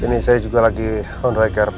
ini saya juga lagi on rick care